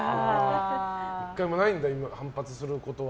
１回もないんだ反発することは。